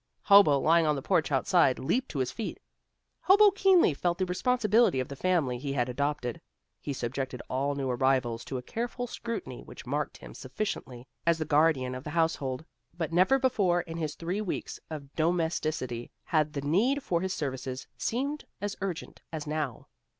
Hobo, lying on the porch outside, leaped to his feet. Hobo keenly felt the responsibility of the family he had adopted. He subjected all new arrivals to a careful scrutiny which marked him sufficiently as the guardian of the household. But never before in his three weeks of domesticity, had the need for his services seemed as urgent as now.